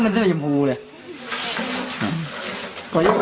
นี่เห็นจริงตอนนี้ต้องซื้อ๖วัน